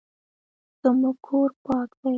زموږ کور پاک دی